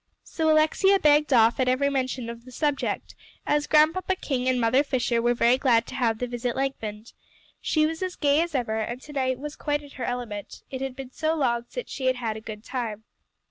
So Alexia begged off at every mention of the subject, as Grandpapa King and Mother Fisher were very glad to have the visit lengthened. She was as gay as ever, and to night was quite in her element; it had been so long since she had had a good time.